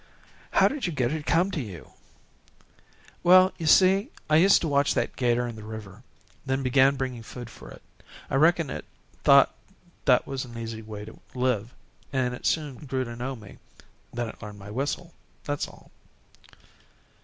"How did you get it to come for you?" "Well, you see, I used to watch that 'gator in the river; then began bringing food for it. I reckon it thought that an easy way to live, and it soon grew to know me. Then it learned my whistle. That's all."